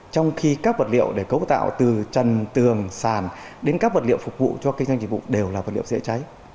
trong khi các vật liệu để cấu tạo từ trần tường sàn đến các vật liệu phục vụ cho kinh doanh dịch vụ đều là vật liệu dễ cháy